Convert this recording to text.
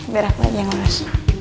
berat lagi yang harus